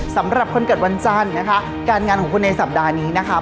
สำหรับคนเกิดวันจันทร์นะคะการงานของคุณในสัปดาห์นี้นะคะ